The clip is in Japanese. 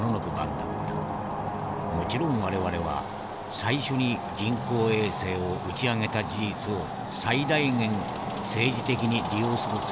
もちろん我々は最初に人工衛星を打ち上げた事実を最大限政治的に利用するつもりだった。